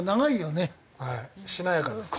しなやかですね。